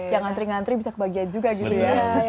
yang ngantri ngantri bisa kebagian juga gitu ya